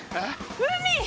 海！